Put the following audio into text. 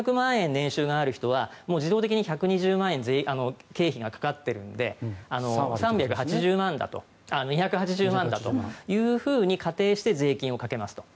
年収がある人は自動的に１２０万円の経費がかかっているので２８０万だというふうに仮定して税金をかけますと。